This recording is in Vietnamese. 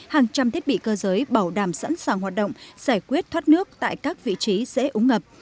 hàng trăm thiết bị cơ giới bảo đảm sẵn sàng hoạt động giải quyết thoát nước tại các vị trí dễ úng ngập